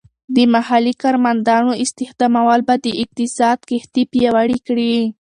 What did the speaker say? د محلی کارمندانو استخدامول به د اقتصاد کښتۍ پیاوړې کړي.